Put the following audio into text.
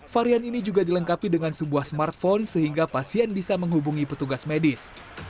varian ini juga dilengkapi dengan sebuah smartphone sehingga pasien bisa menghubungi petugas medis